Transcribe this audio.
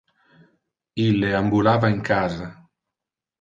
Ille ambulava in casa.